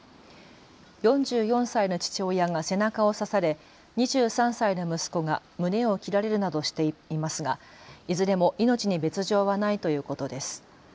４４歳の父親が背中を刺され２３歳の息子が胸を切られるなどしていますが、いずれも命に別状はないということです。